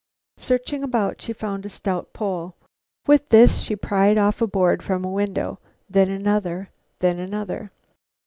Searching about, she found a stout pole. With this she pried off a board from a window, then another and another.